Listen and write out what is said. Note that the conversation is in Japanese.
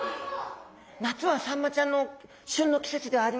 夏はサンマちゃんの旬の季節ではありません。